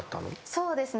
そうですね